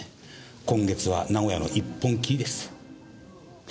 今月は名古屋の１本きりです。